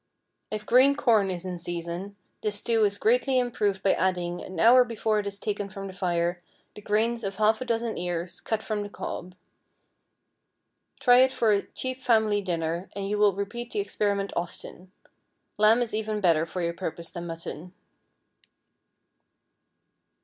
If green corn is in season, this stew is greatly improved by adding, an hour before it is taken from the fire, the grains of half a dozen ears, cut from the cob. Try it for a cheap family dinner, and you will repeat the experiment often. Lamb is even better for your purpose than mutton.